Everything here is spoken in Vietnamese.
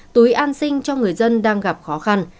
túi an sinh cho người dân đang gặp khó khăn